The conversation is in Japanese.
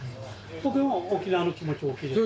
僕も沖縄の気持ち大きいです。